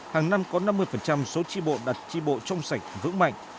hàng năm có năm mươi số tri bộ đặt tri bộ trong sạch vững mạnh